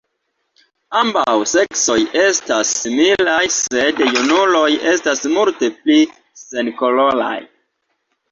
Ambaŭ seksoj estas similaj, sed junuloj estas multe pli senkoloraj.